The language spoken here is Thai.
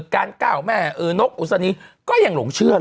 การก้าวแม่นกอุศนีก็ยังหลงเชื่อเลย